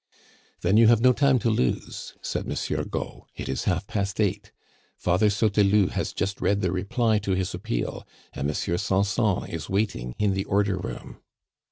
"Then you have no time to lose," said Monsieur Gault; "it is half past eight. Father Sauteloup has just read the reply to his appeal, and Monsieur Sanson is waiting in the order room."